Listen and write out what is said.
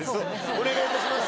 お願いいたします。